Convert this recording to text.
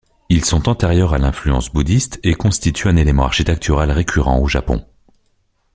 Ils sont antérieurs à l'influence bouddhiste et constituent un élément architectural récurrent au Japon.